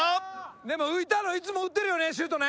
でも浮いたのいつも打ってるよねシュートね。